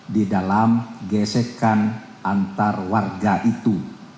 di dalam gesekan antar warga itu